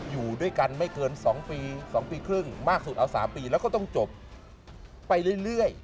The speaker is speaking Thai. อยู่ด้วยกันไม่เกิน๒ปี๒ปีครึ่งมากสุดเอา๓ปีแล้วก็ต้องจบไปเรื่อย